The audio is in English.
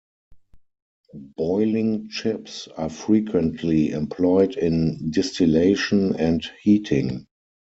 Boiling chips are frequently employed in distillation and heating.